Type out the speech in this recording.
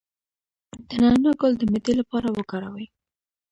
د نعناع ګل د معدې لپاره وکاروئ